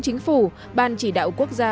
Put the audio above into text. chính phủ ban chỉ đạo quốc gia